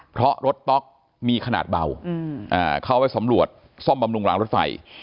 เพราะรถต๊อกมีขนาดเบาเข้าไปสำรวจซ่อมบำรุงรางรถไฟ